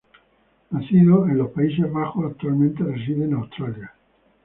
Nacido en los Países Bajos, actualmente reside en Australia.